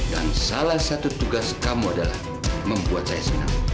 dan salah satu tugas kamu adalah membuat saya senang